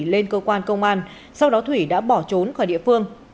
lên cơ quan công an sau đó thủy đã bỏ trốn khỏi địa phương